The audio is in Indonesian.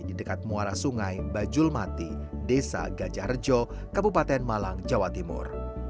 di dekat muara sungai bajulmati desa gajar rejo kabupaten malang jawa timur